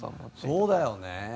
そうだよね。